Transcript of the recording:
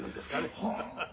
ハハハ。